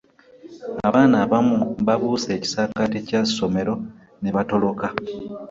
Abaana abamu babuuse ekisakate kye ssomero ne batoloka.